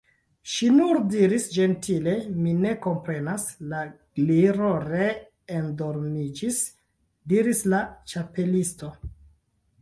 Ŝi nur diris ĝentile: "Mi ne komprenas." "La Gliro ree endormiĝis," diris la Ĉapelisto.